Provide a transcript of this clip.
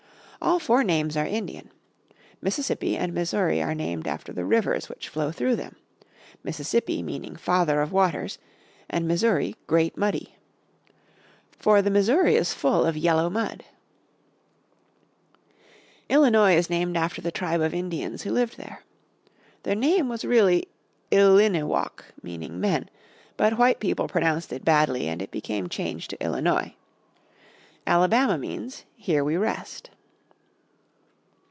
All four names are Indian. Mississippi and Missouri are named after the rivers which flow through them, Mississippi meaning Father of Waters and Missouri Great Muddy. For the Missouri is full of yellow mud. Illinois is named after the tribe of Indians who lived there. Their name was really Iliniwok meaning "Men" but white people pronounced it badly and it became changed to Illinois. Alabama means "here we rest."